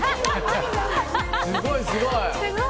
すごい、すごい！